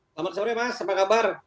selamat sore mas apa kabar